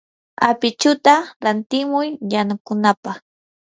apichuta rantimuy yanukunapaq.